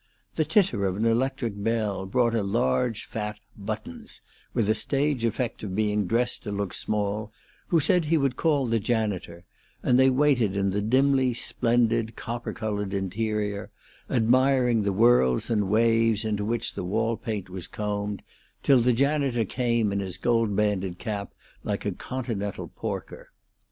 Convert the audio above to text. The titter of an electric bell brought a large, fat Buttons, with a stage effect of being dressed to look small, who said he would call the janitor, and they waited in the dimly splendid, copper colored interior, admiring the whorls and waves into which the wallpaint was combed, till the janitor came in his gold banded cap, like a Continental porker.